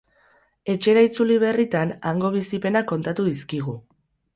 Etxera itzuli berritan, hango bizipenak kontatu dizkigu.